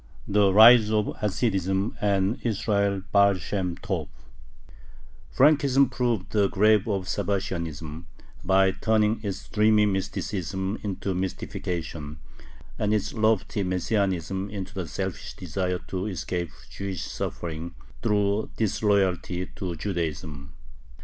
5. THE RISE OF HASIDISM AND ISRAEL BAAL SHEM TOB Frankism proved the grave of Sabbatianism, by turning its dreamy mysticism into mystification, and its lofty Messianism into the selfish desire to escape Jewish suffering through disloyalty to Judaism.